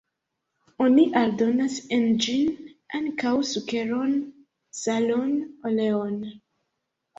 Oni aldonas en ĝin ankaŭ sukeron, salon, oleon.